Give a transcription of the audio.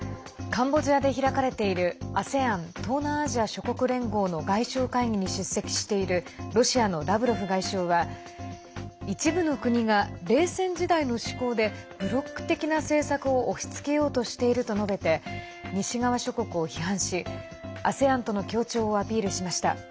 カンボジアで開かれているＡＳＥＡＮ＝東南アジア諸国連合の外相会議に出席しているロシアのラブロフ外相は一部の国が冷戦時代の思考でブロック的な政策を押しつけようとしていると述べて西側諸国を批判しＡＳＥＡＮとの協調をアピールしました。